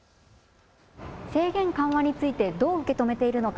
制限緩和についてどう受け止めているのか。